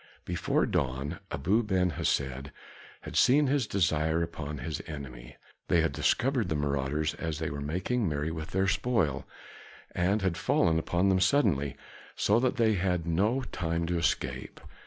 Before dawn Abu Ben Hesed had seen his desire upon his enemy. They had discovered the marauders as they were making merry with their spoil, and had fallen upon them suddenly, so that they had no time to escape.